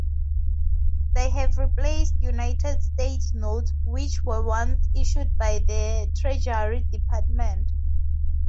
They have replaced United States Notes, which were once issued by the Treasury Department.